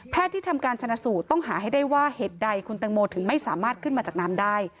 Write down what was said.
ที่ทำการชนะสูตรต้องหาให้ได้ว่าเหตุใดคุณตังโมถึงไม่สามารถขึ้นมาจากน้ำได้